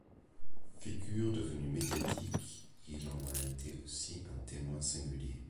Figure devenue médiatique, il en a été aussi un témoin singulier.